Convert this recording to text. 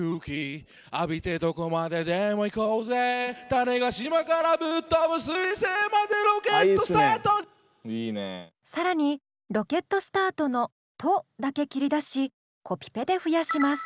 「種子島からぶっ飛ぶ水星までロケットスタート」更に「ロケットスタート」の「ト」だけ切り出しコピペで増やします。